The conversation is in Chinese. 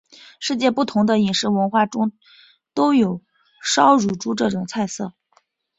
世界不同的饮食文化中都有烧乳猪这种菜色。